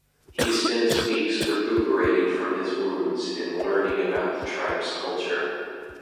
He spends weeks recuperating from his wounds and learning about the tribe's culture.